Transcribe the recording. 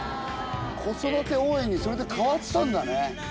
子育て応援にそれで変わったんだね